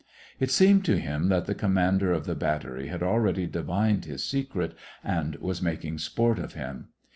It seemed to him that the commander of the bat tery had already divined his secret, and was mak ing sport of him.